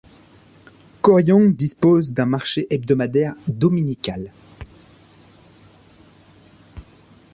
Koryong dispose d'un marché hebdomadaire dominical.